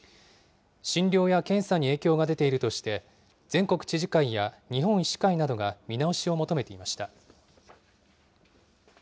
診療や検査に影響が出ているとして、全国知事会や日本医師会などが見直しを求めていました。